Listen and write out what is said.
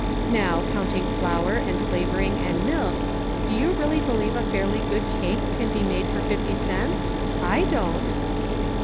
Now, counting flour and flavor ing and milk, do 3^0 u really believe a fairly good cake can be made for fifty cents? I don't."